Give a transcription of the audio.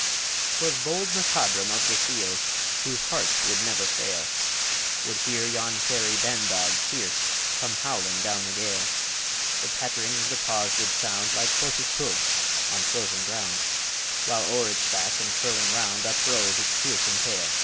'Twas bold MacCodrum of the Seals, Whose heart would never fail, Would hear yon fairy ban dog fierce Come howling down the gale; The patt'ring of the paws would sound Like horse's hoofs on frozen ground, While o'er its back and curling round Uprose its fearsome tail.